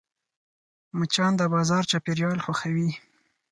مچان د بازار چاپېریال خوښوي